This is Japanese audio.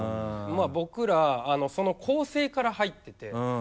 僕らその構成から入ってて。